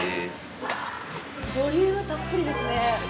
うわぁ、ボリュームたっぷりですね！